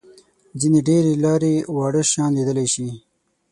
ځینې ډېر لېري واړه شیان لیدلای شي.